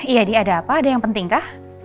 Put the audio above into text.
iya dia ada apa ada yang penting kah